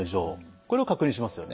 これを確認しますよね。